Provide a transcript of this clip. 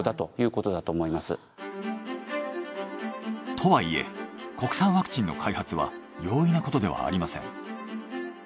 とはいえ国産ワクチンの開発は容易なことではありません。